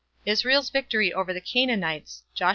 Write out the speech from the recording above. ISRAEL'S VICTORIES OVER THE CANAANITES. Josh.